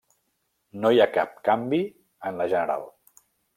No hi ha cap canvi en la general.